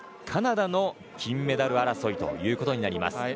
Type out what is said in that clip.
カナダの金メダル争いということになります。